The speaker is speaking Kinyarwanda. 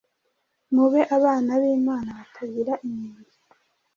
mube abana b’Imana batagira inenge,